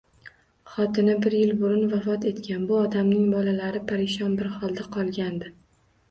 Xotini bir yil burun vafot etgan bu odamning bolalari parishon bir holda qolgandi.